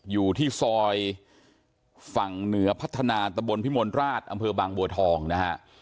อยู่ที่ซอยฝั่งเหนือพัฒนาตะบนพิมลราชอำเภอบางบัวทองนะฮะ